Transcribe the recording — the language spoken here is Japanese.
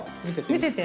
見せて。